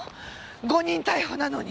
誤認逮捕なのに。